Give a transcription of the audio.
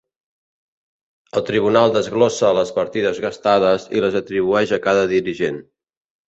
El tribunal desglossa les partides gastades i les atribueix a cada dirigent.